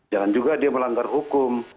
jangan juga dia melanggar hukum